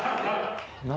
何？